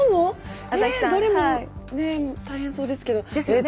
どれも大変そうですけど。